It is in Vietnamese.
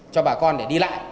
cho bà con để đi lại